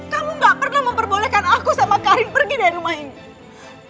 kamu gak pernah memperbolehkan aku sama karin pergi dari rumah ini